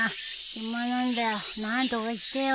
暇なんだよ何とかしてよ。